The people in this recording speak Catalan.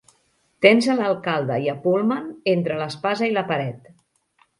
Tens a l'alcalde i a Pullman entre l'espasa i la paret.